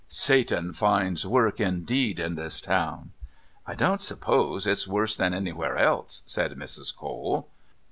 "Satan finds work, indeed, in this town." "I don't suppose it's worse than anywhere else," said Mrs. Cole.